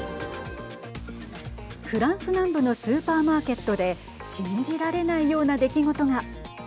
フランス南部のスーパーマーケットで信じられないような出来事が。